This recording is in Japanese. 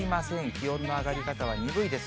気温の上がり方は鈍いです。